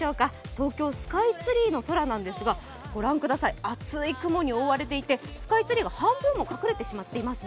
東京スカイツリーの空なんですが、ご覧ください厚い雲に覆われていてスカイツリーが半分も隠れてしまっています。